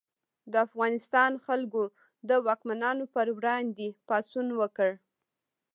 د افغانستان خلکو د واکمنانو پر وړاندې پاڅون وکړ.